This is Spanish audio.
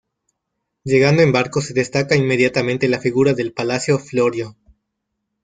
Llegando en barco se destaca inmediatamente la figura del Palacio Florio.